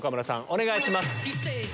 お願いします。